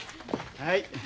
はい。